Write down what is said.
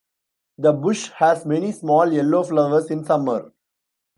The bush has many small yellow flowers in summer.